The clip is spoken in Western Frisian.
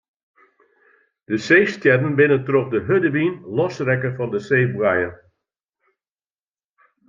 De seestjerren binne troch de hurde wyn losrekke fan de seeboaiem.